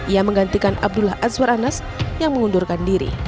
ia menggantikan abdullah azwar anas yang mengundurkan diri